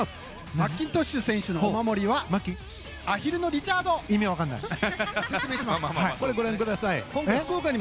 マッキントッシュ選手のお守りアヒルのリチャード君です。